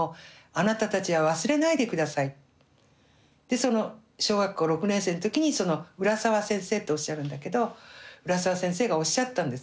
でその小学校６年生の時にその浦沢先生っておっしゃるんだけど浦沢先生がおっしゃったんです。